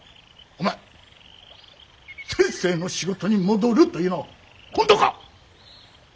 お前先生の仕事に戻るというのは本当か？